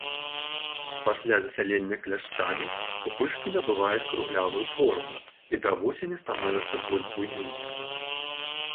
Пасля засялення кляшчамі пупышкі набываюць круглявую форму і да восені становяцца больш буйнымі.